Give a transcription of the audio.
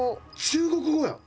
「中国語や」